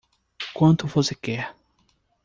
Quanto você quer?